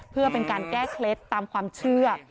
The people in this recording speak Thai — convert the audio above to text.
เพื่อเป็นการแก้เคล็ดตามความเชื่อ